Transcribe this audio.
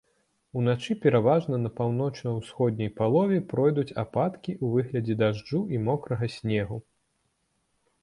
Уначы пераважна на паўночна-ўсходняй палове пройдуць ападкі ў выглядзе дажджу і мокрага снегу.